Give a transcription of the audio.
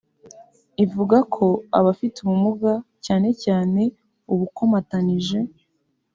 Ivuga ko abafite ubumuga cyane cyane ubukomatanije